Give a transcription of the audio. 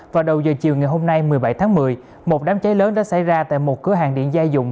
vào đầu giờ chiều ngày hôm nay một mươi bảy tháng một mươi một đám cháy lớn đã xảy ra tại một cửa hàng điện gia dụng